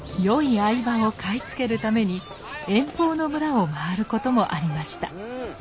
よい藍葉を買い付けるために遠方の村を回ることもありました。